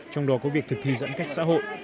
trong đó có việc thực thi giải quyết